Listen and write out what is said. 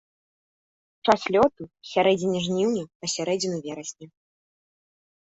Час лёту з сярэдзіны жніўня па сярэдзіну верасня.